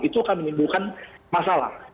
itu akan menimbulkan masalah